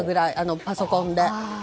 パソコンで。